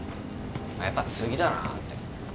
やっぱ次だなって。